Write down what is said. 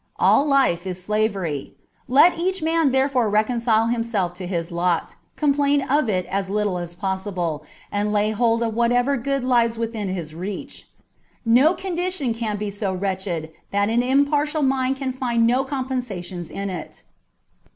All life is slavery : let each man therefore reconcile himself to his lot, complain of it as little as possible, and lay hold of whatever good lies within his reach. No condition can be so wretched that an impartial mind can find no compensations in it.